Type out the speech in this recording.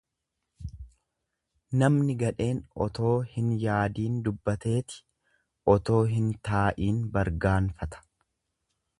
Namni gadheen otoo hin yaadiin dubbateeti otoo hin taa'iin bargaanfata.